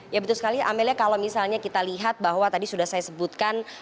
ya betul sekali amelia kalau misalnya kita lihat bahwa tadi sudah saya sebutkan